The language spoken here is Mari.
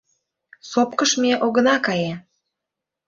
Сопкыш ме огына кае.